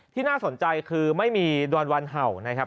น่าสนใจคือไม่มีดอนวันเห่านะครับ